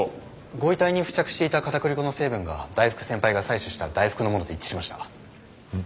ご遺体に付着していた片栗粉の成分が大福先輩が採取した大福のものと一致しました。